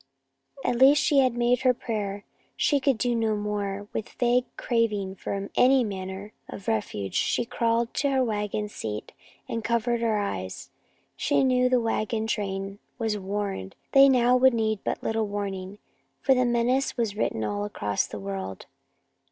At least she had made her prayer. She could do no more. With vague craving for any manner of refuge, she crawled to her wagon seat and covered her eyes. She knew that the wagon train was warned they now would need but little warning, for the menace was written all across the world.